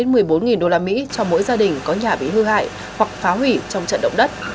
cho mỗi gia đình có nhà bị hư hại hoặc phá hủy trong trận động đất